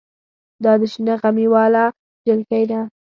دا د شنه غمي واله جلکۍ ده.